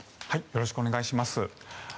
よろしくお願いします。